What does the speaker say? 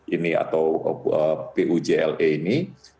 ini atau pujle ini